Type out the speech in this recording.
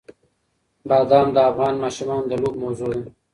بادام د افغان ماشومانو د لوبو موضوع ده.